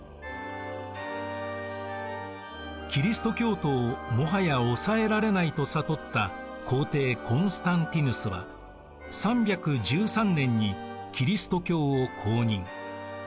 キリスト教徒をもはや抑えられないと悟った皇帝コンスタンティヌスは３１３年にキリスト教を公認。